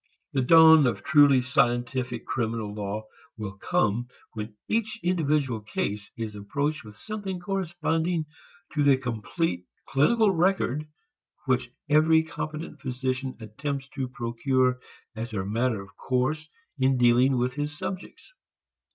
The dawn of truly scientific criminal law will come when each individual case is approached with something corresponding to the complete clinical record which every competent physician attempts to procure as a matter of course in dealing with his subjects.